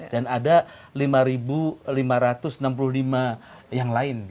dan ada lima lima ratus enam puluh lima yang lain